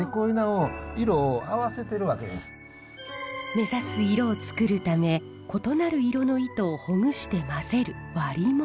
目指す色をつくるため異なる色の糸をほぐして混ぜる割杢。